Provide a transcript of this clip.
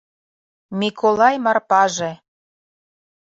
Миколай Марпаже